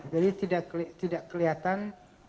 jadi tidak kelihatan